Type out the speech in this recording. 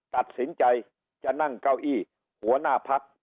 ตัดสินใจจะนั่งเก้าอี้หัวหน้าพัก